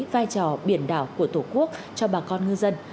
đây là một vị trí vai trò biển đảo của tổ quốc cho bà con ngư dân